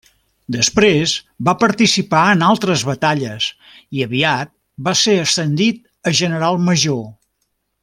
Després va participar en altres batalles i aviat va ser ascendit a general major.